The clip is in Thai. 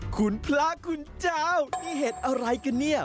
คุณพระคุณเจ้านี่เห็นอะไรกันเนี่ย